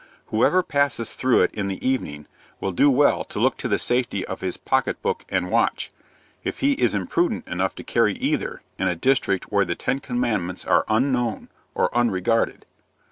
Whoever passes through it in the evening, will do well to look to the safety of his pocket book and watch, if he is imprudent enough to carry either in a district where the Ten Commandments are unknown, or unregarded.